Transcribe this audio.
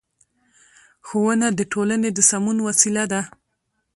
ښوونه د ټولنې د سمون وسیله ده